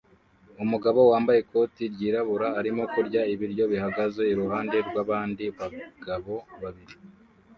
Umugabo wambaye ikoti ryirabura arimo kurya ibiryo bihagaze iruhande rwabandi bagabo babiri